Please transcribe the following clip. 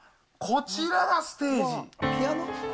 こちらがステージ。